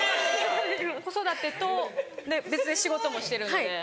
子育てと別に仕事もしてるので。